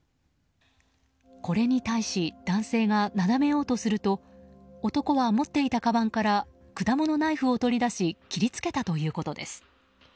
これに対し男性がなだめようとすると男は、持っていたかばんから果物ナイフを取り出し切り付けたということです。